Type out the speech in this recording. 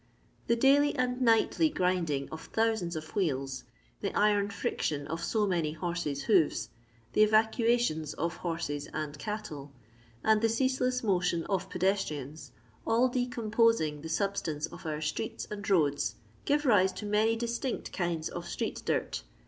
Tax daily and nightly grinding of thou? sands of wheels, the iron friction of so many horses' hsofr, the evacuations of hones and cattle, and the ceaseless motion of pedestrians, all de composing the substance of our strsete and roads, give rise to many distinct kinds of streetdirt.